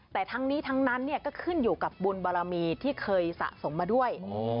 แต่ทั้งนี้ทั้งนั้นก็ขึ้นอยู่กับบุญบารมีที่เคยสะสมมาด้วย